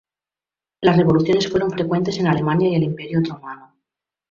Las revoluciones fueron frecuentes en Alemania y el Imperio Otomano.